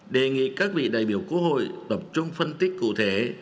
đề nghị các vị đại biểu quốc hội tập trung phân tích cụ thể